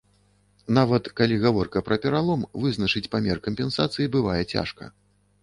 Нават калі гаворка пра пералом, вызначыць памер кампенсацыі бывае цяжка.